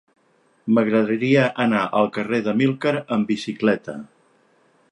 M'agradaria anar al carrer d'Amílcar amb bicicleta.